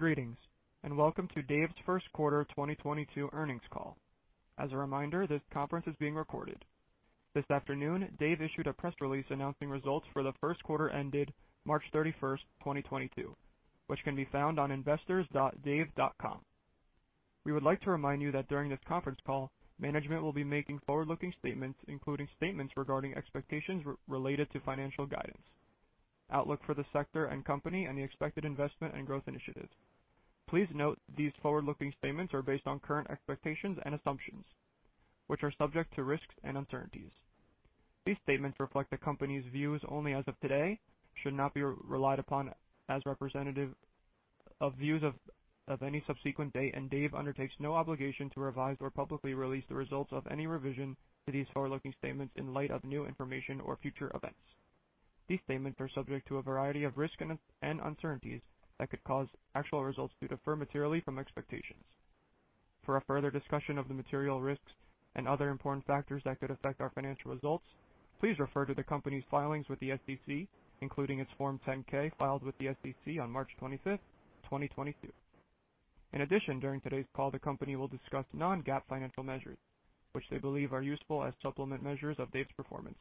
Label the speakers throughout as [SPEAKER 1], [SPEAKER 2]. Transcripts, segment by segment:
[SPEAKER 1] Greetings, and welcome to Dave's first quarter 2022 earnings call. As a reminder, this conference is being recorded. This afternoon, Dave issued a press release announcing results for the first quarter ended March 31, 2022, which can be found on investors.dave.com. We would like to remind you that during this conference call, management will be making forward-looking statements, including statements regarding expectations related to financial guidance, outlook for the sector and company, and the expected investment and growth initiatives. Please note these forward-looking statements are based on current expectations and assumptions, which are subject to risks and uncertainties. These statements reflect the company's views only as of today, should not be relied upon as representative of views of any subsequent date, and Dave undertakes no obligation to revise or publicly release the results of any revision to these forward-looking statements in light of new information or future events. These statements are subject to a variety of risks and uncertainties that could cause actual results to differ materially from expectations. For a further discussion of the material risks and other important factors that could affect our financial results, please refer to the company's filings with the SEC, including its Form 10-K filed with the SEC on March 25th, 2022. In addition, during today's call, the company will discuss non-GAAP financial measures which they believe are useful as supplemental measures of Dave's performance.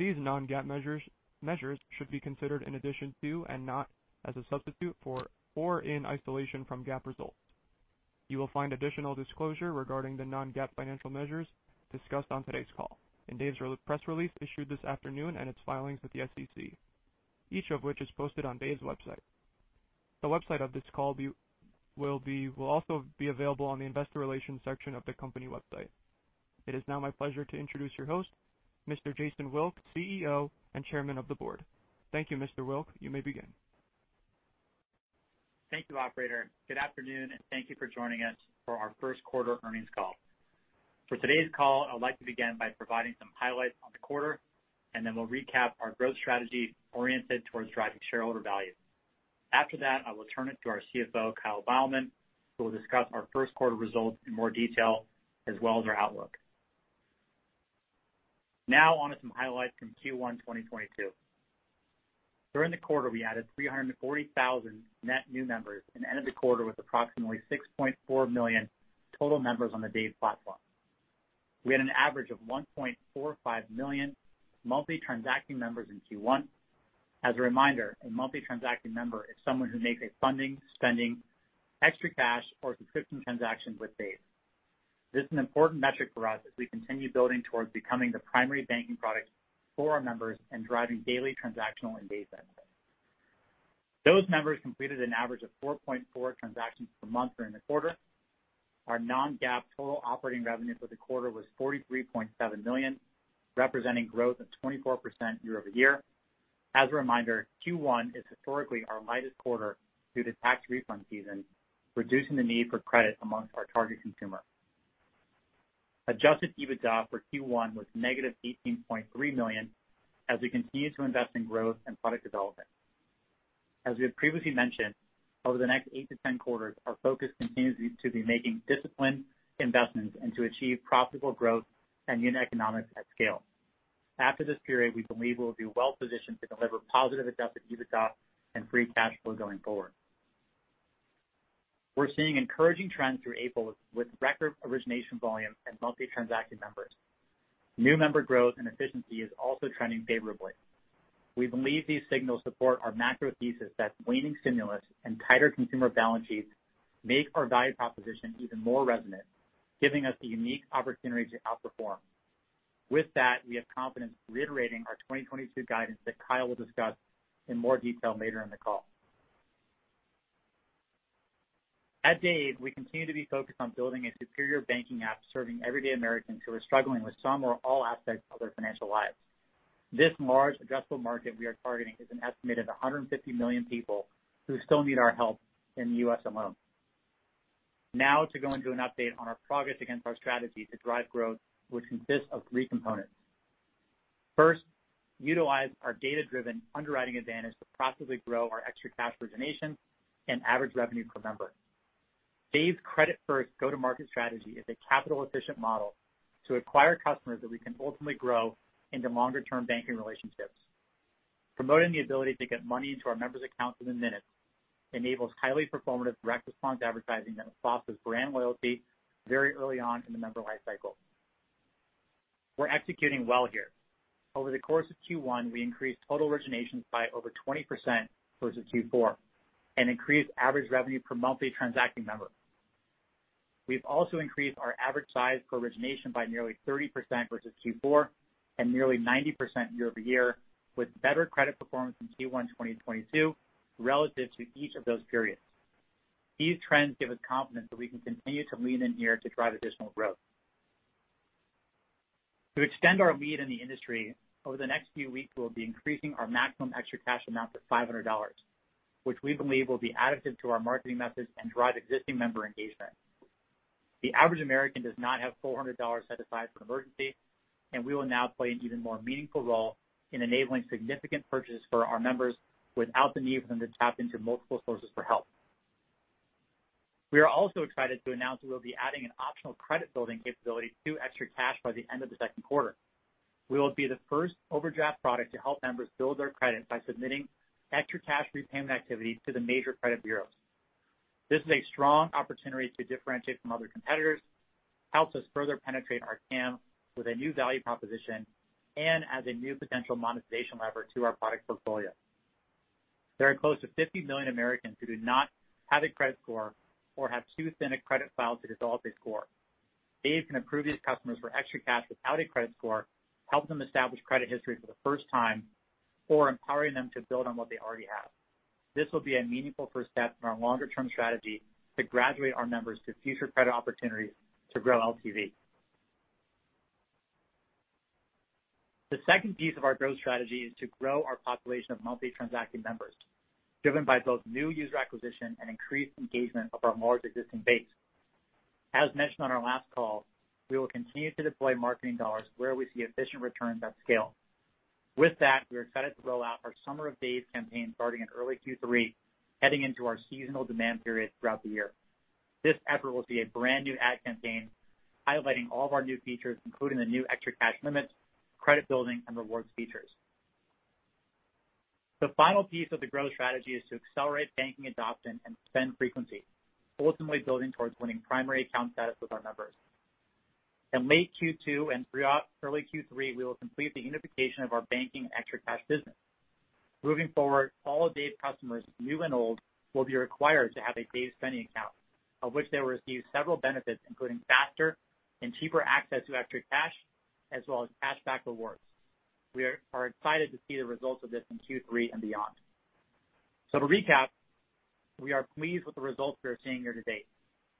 [SPEAKER 1] These non-GAAP measures should be considered in addition to and not as a substitute for, or in isolation from GAAP results. You will find additional disclosure regarding the non-GAAP financial measures discussed on today's call in Dave's recent press release issued this afternoon and its filings with the SEC, each of which is posted on Dave's website. A webcast of this call will also be available on the investor relations section of the company website. It is now my pleasure to introduce your host, Mr. Jason Wilk, CEO and Chairman of the Board. Thank you, Mr. Wilk. You may begin.
[SPEAKER 2] Thank you, operator. Good afternoon, and thank you for joining us for our first quarter earnings call. For today's call, I would like to begin by providing some highlights on the quarter, and then we'll recap our growth strategy oriented towards driving shareholder value. After that, I will turn it to our CFO, Kyle Beilman, who will discuss our first quarter results in more detail as well as our outlook. Now on to some highlights from Q1 2022. During the quarter, we added 340,000 net new members and ended the quarter with approximately 6.4 million total members on the Dave platform. We had an average of 1.45 million monthly transacting members in Q1. As a reminder, a monthly transacting member is someone who makes a funding, spending, extra cash, or subscription transaction with Dave. This is an important metric for us as we continue building towards becoming the primary banking product for our members and driving daily transactional engagement. Those members completed an average of 4.4 transactions per month during the quarter. Our non-GAAP total operating revenue for the quarter was $43.7 million, representing growth of 24% year-over-year. As a reminder, Q1 is historically our lightest quarter due to tax refund season, reducing the need for credit amongst our target consumer. Adjusted EBITDA for Q1 was -$18.3 million as we continue to invest in growth and product development. As we have previously mentioned, over the next 8 quarters to 10 quarters, our focus continues to be making disciplined investments and to achieve profitable growth and unit economics at scale. After this period, we believe we'll be well-positioned to deliver positive adjusted EBITDA and free cash flow going forward. We're seeing encouraging trends through April with record origination volume and monthly transacted members. New member growth and efficiency is also trending favorably. We believe these signals support our macro thesis that waning stimulus and tighter consumer balance sheets make our value proposition even more resonant, giving us the unique opportunity to outperform. With that, we have confidence reiterating our 2022 guidance that Kyle will discuss in more detail later in the call. At Dave, we continue to be focused on building a superior banking app serving everyday Americans who are struggling with some or all aspects of their financial lives. This large addressable market we are targeting is an estimated 150 million people who still need our help in the U.S. alone. To go into an update on our progress against our strategy to drive growth, which consists of three components. First, utilize our data-driven underwriting advantage to profitably grow our ExtraCash origination and average revenue per member. Dave's credit first go-to-market strategy is a capital-efficient model to acquire customers that we can ultimately grow into longer-term banking relationships. Promoting the ability to get money into our members' accounts within minutes enables highly performative direct response advertising that fosters brand loyalty very early on in the member lifecycle. We're executing well here. Over the course of Q1, we increased total originations by over 20% versus Q4 and increased average revenue per monthly transacting member. We've also increased our average size per origination by nearly 30% versus Q4 and nearly 90% year-over-year with better credit performance in Q1 2022 relative to each of those periods. These trends give us confidence that we can continue to lean in here to drive additional growth. To extend our lead in the industry, over the next few weeks, we'll be increasing our maximum ExtraCash amount to $500, which we believe will be additive to our marketing methods and drive existing member engagement. The average American does not have $400 set aside for an emergency, and we will now play an even more meaningful role in enabling significant purchases for our members without the need for them to tap into multiple sources for help. We are also excited to announce we will be adding an optional credit building capability to ExtraCash by the end of the second quarter. We will be the first overdraft product to help members build their credit by submitting ExtraCash repayment activity to the major credit bureaus. This is a strong opportunity to differentiate from other competitors, helps us further penetrate our TAM with a new value proposition, and adds a new potential monetization lever to our product portfolio. There are close to 50 million Americans who do not have a credit score or have too thin a credit file to develop a score. Dave can approve these customers for ExtraCash without a credit score, help them establish credit history for the first time, or empowering them to build on what they already have. This will be a meaningful first step in our longer-term strategy to graduate our members to future credit opportunities to grow LTV. The second piece of our growth strategy is to grow our population of monthly transacting members, driven by both new user acquisition and increased engagement of our more existing base. As mentioned on our last call, we will continue to deploy marketing dollars where we see efficient returns at scale. With that, we are excited to roll out our Summer of Dave campaign starting in early Q3, heading into our seasonal demand period throughout the year. This effort will see a brand-new ad campaign highlighting all of our new features, including the new ExtraCash limits, credit building, and rewards features. The final piece of the growth strategy is to accelerate banking adoption and spend frequency, ultimately building towards winning primary account status with our members. In late Q2 and throughout early Q3, we will complete the unification of our banking ExtraCash business. Moving forward, all of Dave's customers, new and old, will be required to have a Dave Spending account, of which they will receive several benefits, including faster and cheaper access to ExtraCash, as well as cashback rewards. We are excited to see the results of this in Q3 and beyond. To recap, we are pleased with the results we are seeing here to date.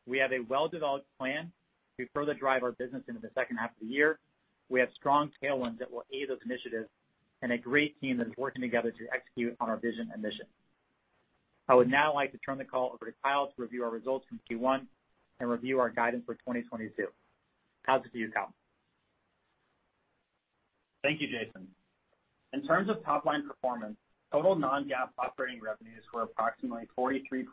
[SPEAKER 2] We have a well-developed plan to further drive our business into the second half of the year. We have strong tailwinds that will aid those initiatives and a great team that is working together to execute on our vision and mission. I would now like to turn the call over to Kyle to review our results from Q1 and review our guidance for 2022. Kyle, it's you, Kyle.
[SPEAKER 3] Thank you, Jason. In terms of top-line performance, total non-GAAP operating revenues were approximately $43.7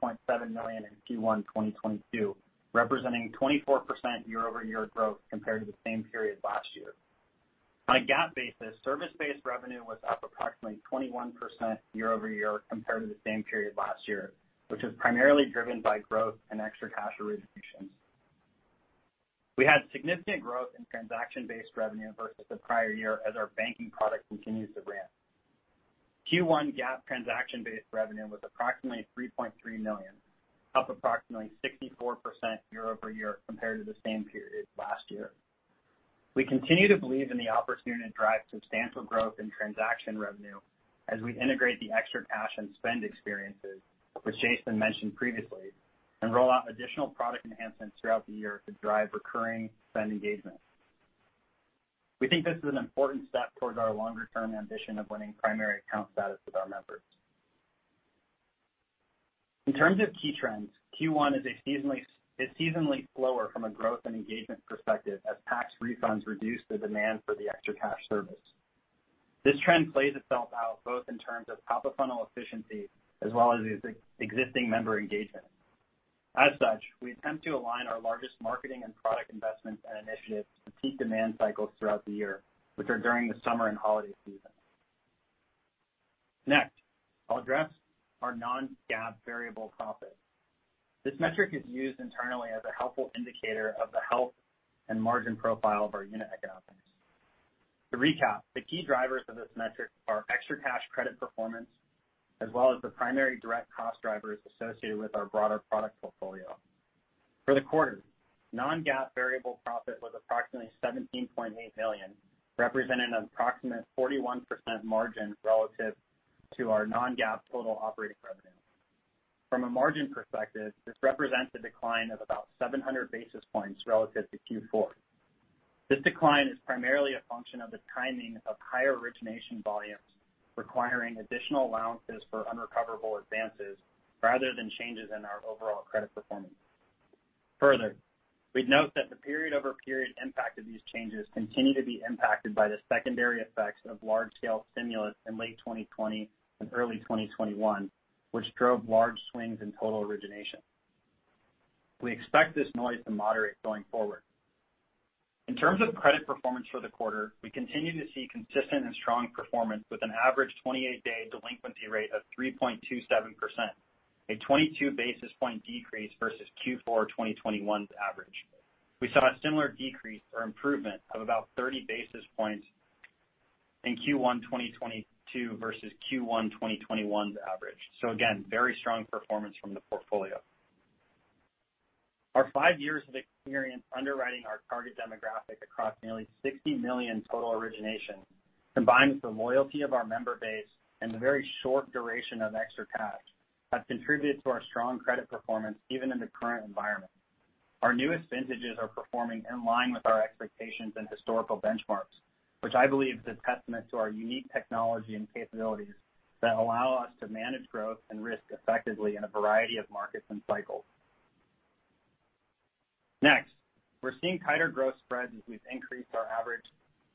[SPEAKER 3] million in Q1 2022, representing 24% year-over-year growth compared to the same period last year. On a GAAP basis, service-based revenue was up approximately 21% year-over-year compared to the same period last year, which was primarily driven by growth and ExtraCash originations. We had significant growth in transaction-based revenue versus the prior year as our banking product continues to ramp. Q1 GAAP transaction-based revenue was approximately $3.3 million, up approximately 64% year-over-year compared to the same period last year. We continue to believe in the opportunity to drive substantial growth in transaction revenue as we integrate the ExtraCash and spend experiences, which Jason mentioned previously, and roll out additional product enhancements throughout the year to drive recurring spend engagement. We think this is an important step towards our longer-term ambition of winning primary account status with our members. In terms of key trends, Q1 is seasonally slower from a growth and engagement perspective as tax refunds reduce the demand for the ExtraCash service. This trend plays itself out both in terms of top-of-funnel efficiency as well as existing member engagement. As such, we attempt to align our largest marketing and product investments and initiatives to peak demand cycles throughout the year, which are during the summer and holiday season. Next, I'll address our non-GAAP variable profit. This metric is used internally as a helpful indicator of the health and margin profile of our unit economics. To recap, the key drivers of this metric are ExtraCash credit performance, as well as the primary direct cost drivers associated with our broader product portfolio. For the quarter, non-GAAP variable profit was approximately $17.8 million, representing an approximate 41% margin relative to our non-GAAP total operating revenue. From a margin perspective, this represents a decline of about 700 basis points relative to Q4. This decline is primarily a function of the timing of higher origination volumes requiring additional allowances for unrecoverable advances rather than changes in our overall credit performance. Further, we'd note that the period-over-period impact of these changes continue to be impacted by the secondary effects of large-scale stimulus in late 2020 and early 2021, which drove large swings in total origination. We expect this noise to moderate going forward. In terms of credit performance for the quarter, we continue to see consistent and strong performance with an average 28-day delinquency rate of 3.27%, a 22 basis points decrease versus Q4 2021's average. We saw a similar decrease or improvement of about 30 basis points in Q1 2022 versus Q1 2021's average. Again, very strong performance from the portfolio. Our five years of experience underwriting our target demographic across nearly 60 million total originations, combined with the loyalty of our member base and the very short duration of ExtraCash, have contributed to our strong credit performance even in the current environment. Our newest vintages are performing in line with our expectations and historical benchmarks, which I believe is a testament to our unique technology and capabilities that allow us to manage growth and risk effectively in a variety of markets and cycles. Next, we're seeing tighter growth spreads as we've increased our average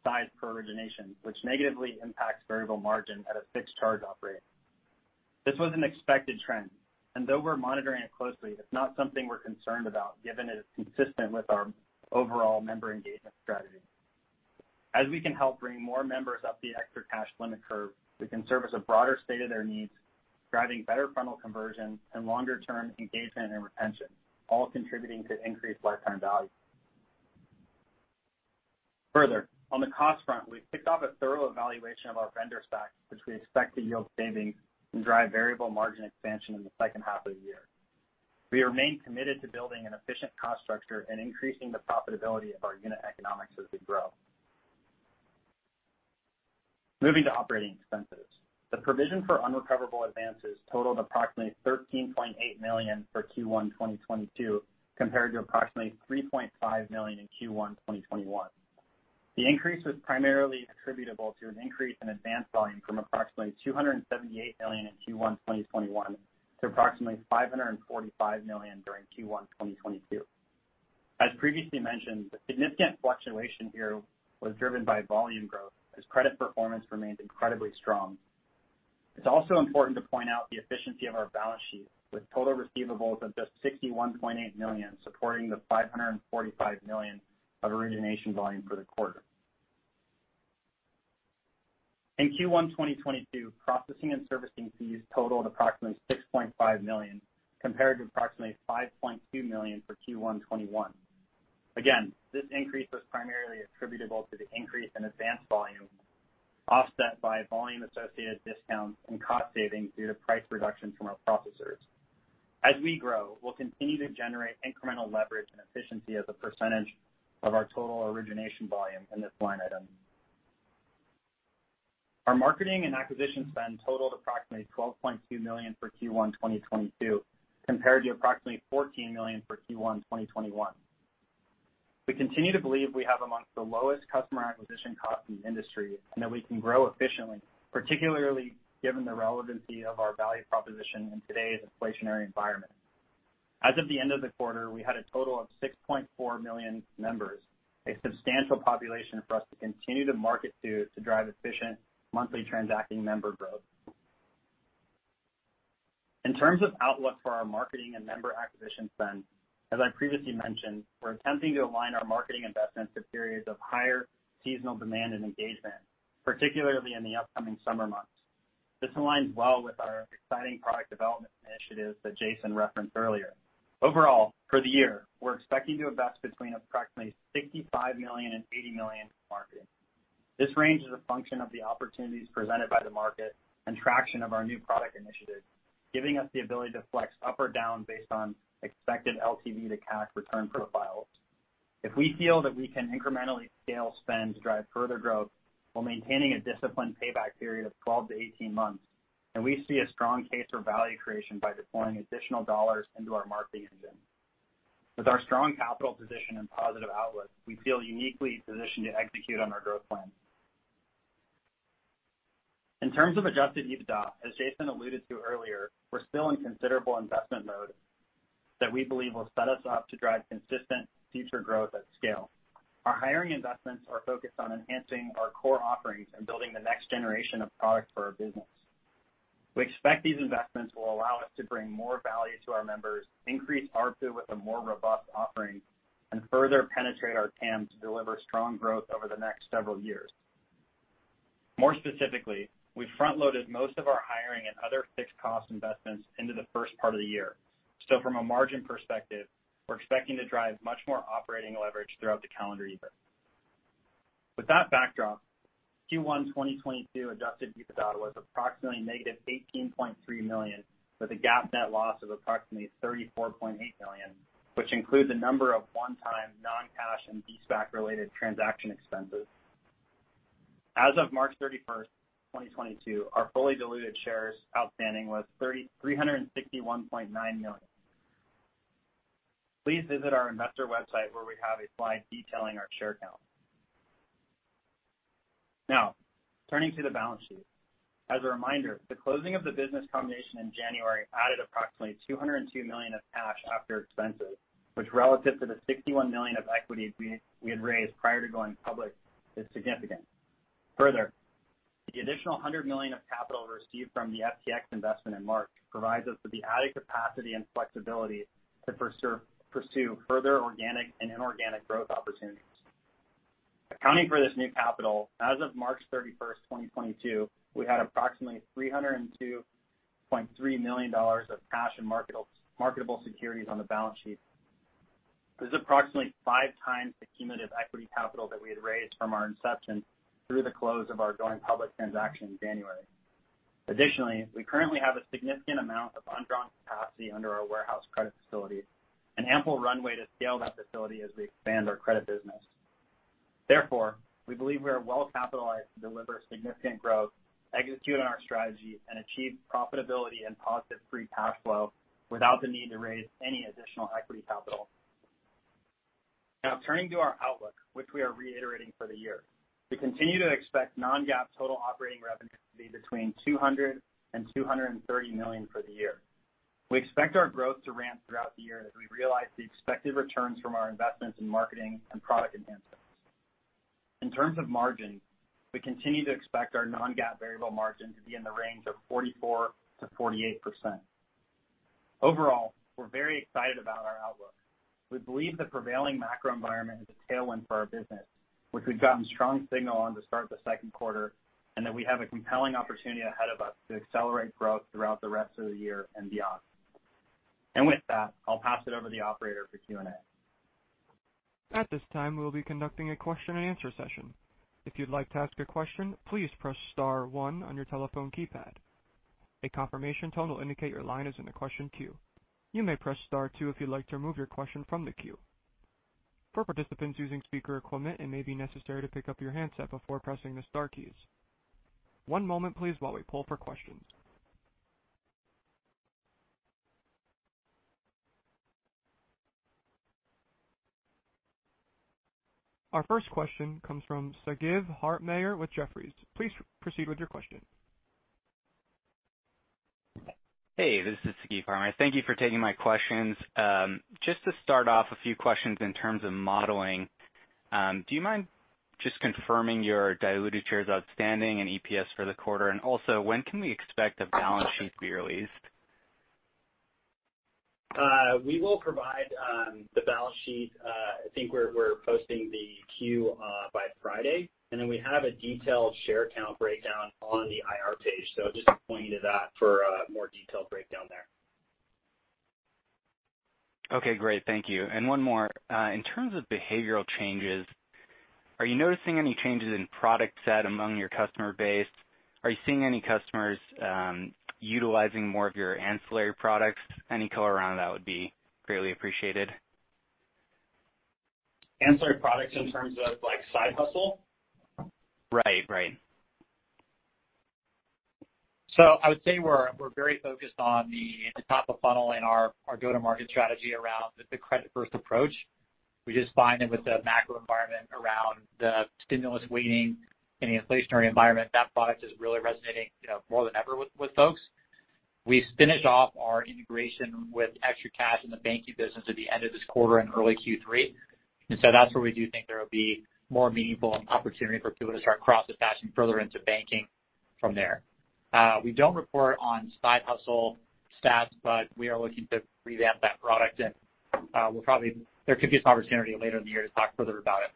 [SPEAKER 3] size per origination, which negatively impacts variable margin and a fixed charge operating. This was an expected trend, and though we're monitoring it closely, it's not something we're concerned about, given it is consistent with our overall member engagement strategy. As we can help bring more members up the ExtraCash limit curve, we can service a broader set of their needs, driving better funnel conversion and longer-term engagement and retention, all contributing to increased lifetime value. Further, on the cost front, we've kicked off a thorough evaluation of our vendor stack, which we expect to yield savings and drive variable margin expansion in the second half of the year. We remain committed to building an efficient cost structure and increasing the profitability of our unit economics as we grow. Moving to operating expenses. The provision for unrecoverable advances totaled approximately $13.8 million for Q1 2022, compared to approximately $3.5 million in Q1 2021. The increase was primarily attributable to an increase in advance volume from approximately $278 million in Q1 2021 to approximately $545 million during Q1 2022. As previously mentioned, the significant fluctuation here was driven by volume growth as credit performance remained incredibly strong. It's also important to point out the efficiency of our balance sheet, with total receivables of just $61.8 million supporting the $545 million of origination volume for the quarter. In Q1 2022, processing and servicing fees totaled approximately $6.5 million, compared to approximately $5.2 million for Q1 2021. Again, this increase was primarily attributable to the increase in advance volume, offset by volume-associated discounts and cost savings due to price reductions from our processors. As we grow, we'll continue to generate incremental leverage and efficiency as a percentage of our total origination volume in this line item. Our marketing and acquisition spend totaled approximately $12.2 million for Q1 2022, compared to approximately $14 million for Q1 2021. We continue to believe we have among the lowest customer acquisition costs in the industry, and that we can grow efficiently, particularly given the relevancy of our value proposition in today's inflationary environment. As of the end of the quarter, we had a total of 6.4 million members, a substantial population for us to continue to market to drive efficient monthly transacting member growth. In terms of outlook for our marketing and member acquisition spend, as I previously mentioned, we're attempting to align our marketing investments to periods of higher seasonal demand and engagement, particularly in the upcoming summer months. This aligns well with our exciting product development initiatives that Jason referenced earlier. Overall, for the year, we're expecting to invest between approximately $65 million and $80 million in marketing. This range is a function of the opportunities presented by the market and traction of our new product initiatives, giving us the ability to flex up or down based on expected LTV to CAC return profiles. If we feel that we can incrementally scale spend to drive further growth while maintaining a disciplined payback period of 12 months -18 months, then we see a strong case for value creation by deploying additional dollars into our marketing engine. With our strong capital position and positive outlook, we feel uniquely positioned to execute on our growth plan. In terms of Adjusted EBITDA, as Jason alluded to earlier, we're still in considerable investment mode that we believe will set us up to drive consistent future growth at scale. Our hiring investments are focused on enhancing our core offerings and building the next generation of products for our business. We expect these investments will allow us to bring more value to our members, increase ARPU with a more robust offering, and further penetrate our TAM to deliver strong growth over the next several years. More specifically, we front-loaded most of our hiring and other fixed cost investments into the first part of the year. From a margin perspective, we're expecting to drive much more operating leverage throughout the calendar year. With that backdrop, Q1 2022 adjusted EBITDA was approximately negative $18.3 million, with a GAAP net loss of approximately $34.8 million, which includes a number of one-time non-cash and de-SPAC-related transaction expenses. As of March 31st, 2022, our fully diluted shares outstanding was 361.9 million. Please visit our investor website, where we have a slide detailing our share count. Now, turning to the balance sheet. As a reminder, the closing of the business combination in January added approximately $202 million of cash after expenses, which relative to the $61 million of equity we had raised prior to going public, is significant. Further, the additional $100 million of capital received from the FTX investment in March provides us with the added capacity and flexibility to pursue further organic and inorganic growth opportunities. Accounting for this new capital, as of March 31, 2022, we had approximately $302.3 million of cash and marketable securities on the balance sheet. This is approximately 5 times the cumulative equity capital that we had raised from our inception through the close of our going public transaction in January. Additionally, we currently have a significant amount of undrawn capacity under our warehouse credit facility, an ample runway to scale that facility as we expand our credit business. Therefore, we believe we are well-capitalized to deliver significant growth, execute on our strategy, and achieve profitability and positive free cash flow without the need to raise any additional equity capital. Now turning to our outlook, which we are reiterating for the year. We continue to expect non-GAAP total operating revenue to be between $200 million and $230 million for the year. We expect our growth to ramp throughout the year as we realize the expected returns from our investments in marketing and product enhancements. In terms of margin, we continue to expect our non-GAAP variable margin to be in the range of 44%-48%. Overall, we're very excited about our outlook, We believe the prevailing macro environment is a tailwind for our business, which we've gotten strong signal on the start of the second quarter, and that we have a compelling opportunity ahead of us to accelerate growth throughout the rest of the year and beyond. With that, I'll pass it over to the operator for Q&A.
[SPEAKER 1] At this time, we will be conducting a question-and-answer session. If you'd like to ask a question, please press star one on your telephone keypad. A confirmation tone will indicate your line is in the question queue. You may press star two if you'd like to remove your question from the queue. For participants using speaker equipment, it may be necessary to pick up your handset before pressing the star keys. One moment please while we poll for questions. Our first question comes from Sagiv Hartmeyer with Jefferies. Please proceed with your question.
[SPEAKER 4] Hey, this is Sagiv Hartmeyer. Thank you for taking my questions. Just to start off, a few questions in terms of modeling. Do you mind just confirming your diluted shares outstanding and EPS for the quarter? And also, when can we expect a balance sheet to be released?
[SPEAKER 3] We will provide the balance sheet. I think we're posting the Q by Friday. Then we have a detailed share count breakdown on the IR page. I'll just point you to that for a more detailed breakdown there.
[SPEAKER 4] Okay, great. Thank you. One more. In terms of behavioral changes, are you noticing any changes in product set among your customer base? Are you seeing any customers, utilizing more of your ancillary products? Any color around that would be greatly appreciated.
[SPEAKER 3] Ancillary products in terms of, like, Side Hustle?
[SPEAKER 4] Right, right.
[SPEAKER 3] I would say we're very focused on the top of funnel and our go-to-market strategy around the credit first approach. We just find that with the macro environment around the stimulus waning in the inflationary environment, that product is really resonating, you know, more than ever with folks. We finish off our integration with ExtraCash in the banking business at the end of this quarter and early Q3. That's where we do think there will be more meaningful opportunity for people to start cross attaching further into banking from there. We don't report on Side Hustle stats, but we are looking to revamp that product. There could be some opportunity later in the year to talk further about it.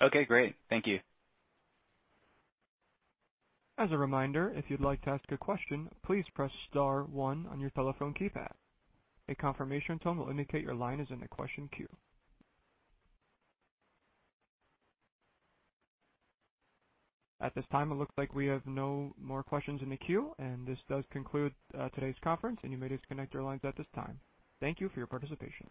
[SPEAKER 4] Okay, great. Thank you.
[SPEAKER 1] As a reminder, if you'd like to ask a question, please press star one on your telephone keypad. A confirmation tone will indicate your line is in the question queue. At this time, it looks like we have no more questions in the queue, and this does conclude today's conference, and you may disconnect your lines at this time. Thank you for your participation.